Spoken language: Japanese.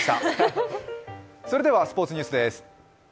それでは、スポーツニュースです。